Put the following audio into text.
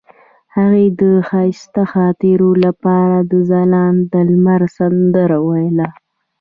هغې د ښایسته خاطرو لپاره د ځلانده لمر سندره ویله.